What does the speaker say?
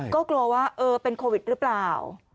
ก็กลัวว่าเออเป็นโควิดหรือเปล่า